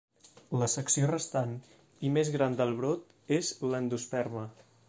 La secció restant i més gran del brot és l"endosperma.